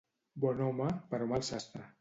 Bon home, però mal sastre.